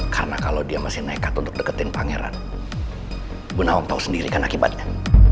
karena kalau dia masih nekat untuk deketin pangeran bu nawang tahu sendirikan akibatnya